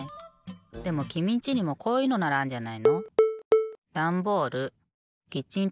でもきみんちにもこういうのならあんじゃないの？